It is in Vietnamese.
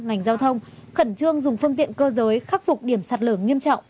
ngành giao thông khẩn trương dùng phương tiện cơ giới khắc phục điểm sạt lở nghiêm trọng